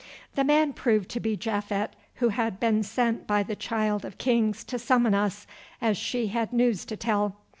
The man proved to be Japhet, who had been sent by the Child of Kings to summon us, as she had news to tell.